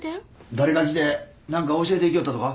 誰か来て何か教えていきよったとか？